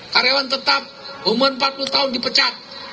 karyawan tetap umum empat puluh tahun dipecat